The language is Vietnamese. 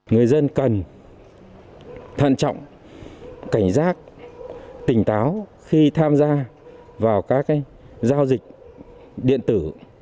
người dân cần thận trọng cảnh giác tỉnh táo khi tham gia vào các giao dịch điện tử